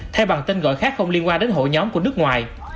thay bằng tên gọi khác không liên quan đến hội nhóm của nước ngoài